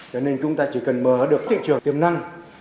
cho nên chúng ta chỉ cần mở được thị trường tiềm năng